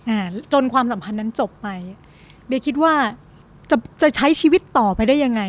อ่าจนความสัมพันธ์นั้นจบไปเบียคิดว่าจะจะใช้ชีวิตต่อไปได้ยังไง